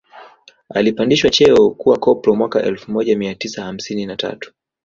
Alipandishwa cheo kuwa koplo mwaka elfu moja mia tisa hamsini na tatu